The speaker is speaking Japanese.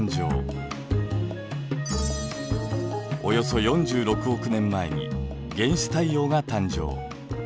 およそ４６億年前に原始太陽が誕生。